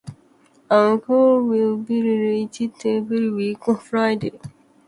An episode will be released every week on Fridays.